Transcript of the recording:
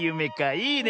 いいね。